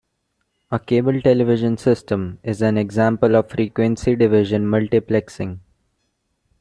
A cable television system is an example of frequency-division multiplexing.